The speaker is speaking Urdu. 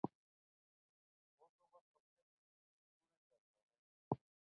وہ تو بس اپنے دن پورے کر رہا ہے